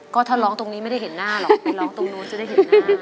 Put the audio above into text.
ก็ถ้าร้องตรงนี้ไม่ได้เห็นหน้าหรอกไปร้องตรงนู้นจะได้เห็นหน้า